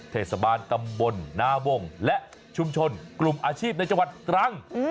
เทศบาลตำบลนาบงและชุมชนกลุ่มอาชีพในจังหวัดตรัง